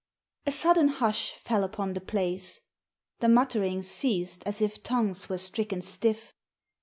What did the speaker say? A sudden hush fell upon the place; the mutterings ceased as if tongues were stricken stiff.